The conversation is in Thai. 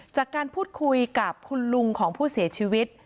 จากการพูดคุยกับคุณลุงของผู้เสียชีวิต